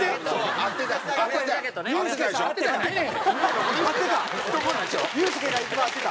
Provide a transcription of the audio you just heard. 合ってた。